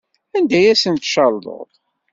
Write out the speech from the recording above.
Anda ay asent-tcerḍeḍ?